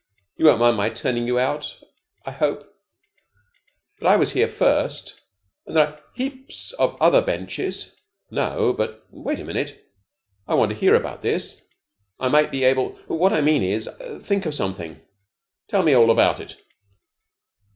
You won't mind my turning you out, I hope, but I was here first, and there are heaps of other benches." "No, but wait a minute. I want to hear about this. I might be able what I mean is think of something. Tell me all about it."